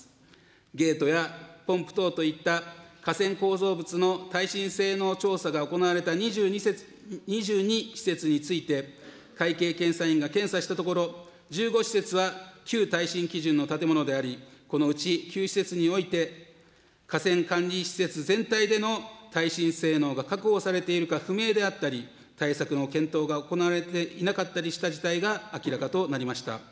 ゲートやポンプ等といった河川構造物の耐震性能調査が行われた２２施設について、会計検査院が検査したところ、１５施設は、旧耐震性能の建物であり、このうち９施設において、河川管理施設全体での耐震性能が確保されているか不明であったり、対策の検討が行われていなかったりした事態が明らかとなりました。